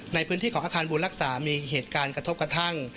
ในพื้นที่ของอาคารบุญรักษามีเหตุการณ์กระทบกระทั่ง